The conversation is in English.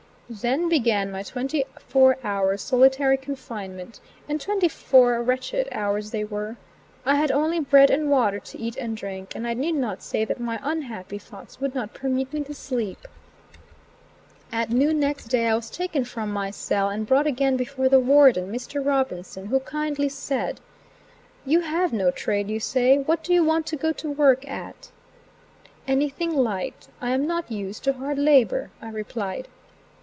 Then began my twenty four hours' solitary confinement, and twenty four wretched hours they were. I had only bread and water to eat and drink, and I need not say that my unhappy thoughts would not permit me to sleep. At noon next day I was taken from my cell, and brought again before the warden, Mr. Robinson, who kindly said: "You have no trade, you say; what do you want to go to work at?" "Anything light; I am not used to hard labor," I replied.